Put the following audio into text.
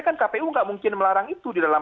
kan kpu nggak mungkin melarang itu di dalam